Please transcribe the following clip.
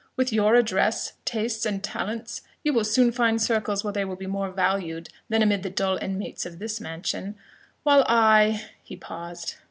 With your address, taste, and talents, you will soon find circles where they will be more valued, than amid the dull inmates of this mansion; while I " he paused.